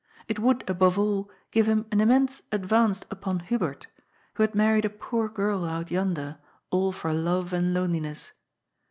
It would, above all, give him an immense advance upon Hubert, who had married a poor girl out yonder, all for love and loneliness.